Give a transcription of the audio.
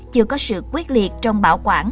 chưa có sự quyết liệt trong bảo quản